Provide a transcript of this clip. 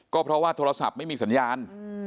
ก็เพราะว่าโทรศัพท์ไม่มีสัญญาณ